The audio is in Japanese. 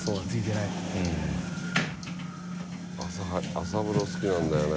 朝風呂好きなんだよね。